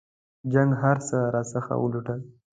جنګ هرڅه راڅخه ولوټل.